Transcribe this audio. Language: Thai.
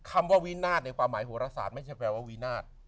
คำว่าวินาศในความหมายโหรศาสตร์ไม่ใช่แปลว่าวินาท